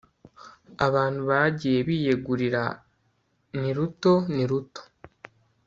Abantu bagiye biyegurira ni ruto ni ruto